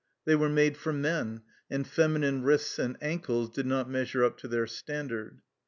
They were made for men, and feminine wrists and ankles did not measure up to their standard.